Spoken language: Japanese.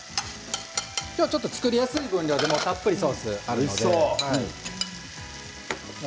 今日は作りやすい分量でたっぷりソースがあります。